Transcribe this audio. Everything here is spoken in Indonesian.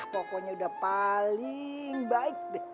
pokoknya udah paling baik deh